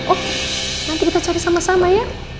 oh nanti kita cari sama sama ya